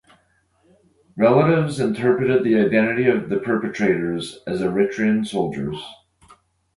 Relatives interpreted the identity of the perpetrators as Eritrean soldiers.